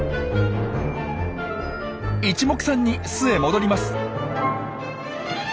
いちもくさんに巣へ戻ります。